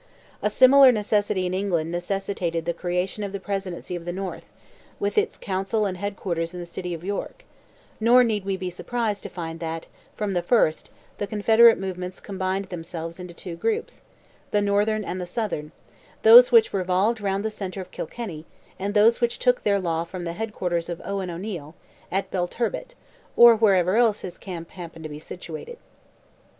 A similar necessity in England necessitated the creation of the Presidency of the North, with its council and head quarters in the city of York; nor need we be surprised to find that, from the first, the Confederate movements combined themselves into two groups—the northern and the southern—those which revolved round the centre of Kilkenny, and those which took their law from the head quarters of Owen O'Neil, at Belturbet, or wherever else his camp happened to be situated.